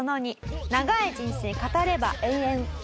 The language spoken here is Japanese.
長い人生語れば延々。